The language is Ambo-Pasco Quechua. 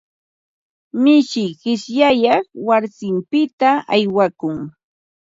Mishi qishyayar wasinpita aywakun.